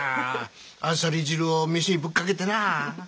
あさり汁を飯にぶっかけてなぁ。